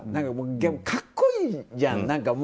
格好いいじゃん。